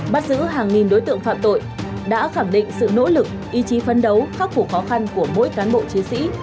bắt giữ hàng nghìn đối tượng phạm tội đã khẳng định sự nỗ lực ý chí phấn đấu khắc phủ khó khăn của mỗi cán bộ chiến sĩ